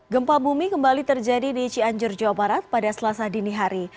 gempa bumi kembali terjadi di cianjur jawa barat pada selasa dini hari